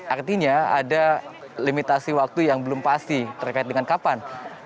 artinya ada limitasi waktu yang belum pasti terkait dengan kapan